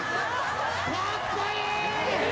かっこいい！